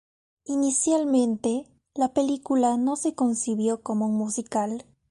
Inicialmente, la película no se concibió como un musical.